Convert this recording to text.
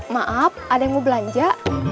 maaf ada yang mau belanja